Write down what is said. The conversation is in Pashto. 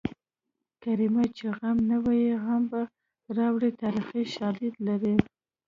کرمیه چې غم نه وي غم به راوړې تاریخي شالید لري